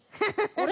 あれ？